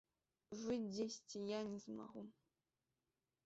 Жыць дзесьці я не змагу.